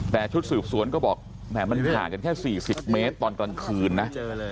แต่ชุดสืบสวนก็บอกแหมมันห่างกันแค่๔๐เมตรตอนกลางคืนนะ